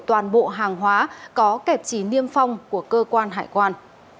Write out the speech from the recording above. toàn bộ hàng hóa có kẹp trí niêm phong của cơ quan hải quan